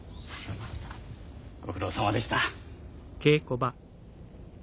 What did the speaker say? ご苦労さまでした。